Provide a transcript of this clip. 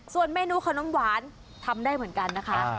ส่วนเมนูขนมหวานทำได้เหมือนกันนะคะ